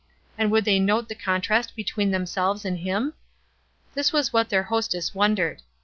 and would they note the contrast between themselves and him? This was what their hostess wondered.